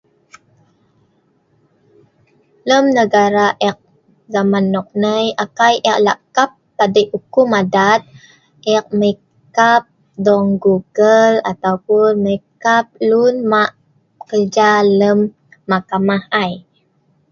lem negala ek zaman nok nai akai ek lak kap padei hukum adat ek mei kap dong google ataupun mei kap lun ma kerja lem mahkamah ai